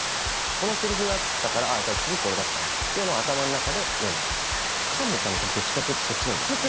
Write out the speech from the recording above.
このセリフがあったから次これだったなっていうのを頭ん中で読んでいくっていうか環奈ちゃんもどっちかっていうとそっちなんじゃないかな